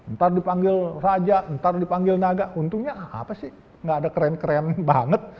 ntar dipanggil raja ntar dipanggil naga untungnya apa sih nggak ada keren keren banget